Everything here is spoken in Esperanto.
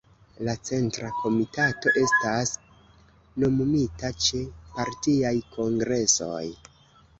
La Centra Komitato estis nomumita ĉe partiaj kongresoj.